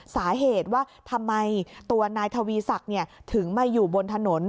สาเหตุว่าทำไมตัวนายทวีศักดิ์ถึงมาอยู่บนถนน